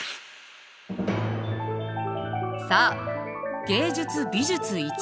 さあ「芸術美術Ⅰ」